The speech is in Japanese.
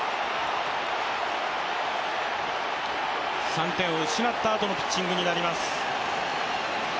３点を失ったあとのピッチングになります。